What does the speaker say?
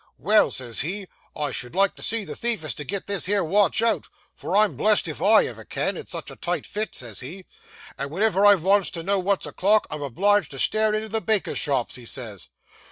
"Well," says he, "I should like to see the thief as could get this here watch out, for I'm blessed if I ever can, it's such a tight fit," says he, "and wenever I vants to know what's o'clock, I'm obliged to stare into the bakers' shops," he says.